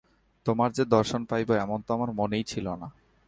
তোমার যে দর্শন পাইব এমন তো আমার মনেই ছিল না।